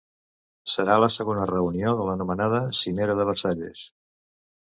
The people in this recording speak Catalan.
Serà la segona reunió de l’anomenada ‘cimera de Versalles’.